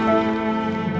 sekali lagi ya pak